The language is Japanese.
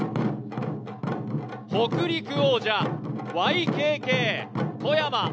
北陸王者、ＹＫＫ・富山。